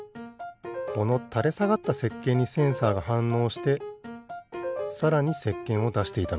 このたれさがったせっけんにセンサーがはんのうしてさらにせっけんをだしていたのか。